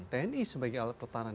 tni sebagai alat pertahanan